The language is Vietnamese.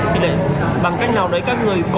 thế để bằng cách nào đấy các người có